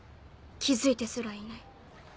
気付いてすらいない。